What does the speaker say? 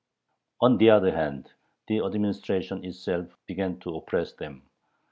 On the other hand, the administration itself began to oppress them.